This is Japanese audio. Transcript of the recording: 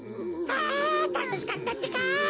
あたのしかったってか！